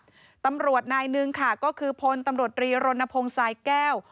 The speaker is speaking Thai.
ตำรวจนายหนึ่งค่ะก็คือพลตำรวจรีรณพงศ์สายแก้ว